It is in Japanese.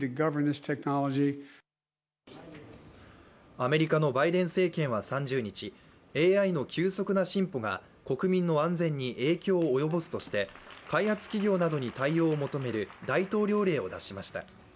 アメリカのバイデン政権は３０日、ＡＩの急速な進歩が国民の安全に影響を及ぼすとして開発企業などに対応を求める大統領令を出しました。